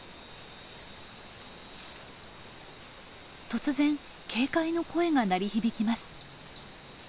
突然警戒の声が鳴り響きます。